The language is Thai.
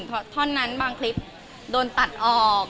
แล้วก็เถ้านั้นบางคลิปโดนตัดออก